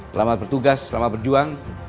selamat bertugas selamat berjuang